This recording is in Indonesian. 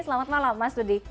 selamat malam mas dudi